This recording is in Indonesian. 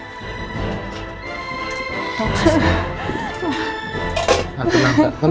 ibu yang sabar ya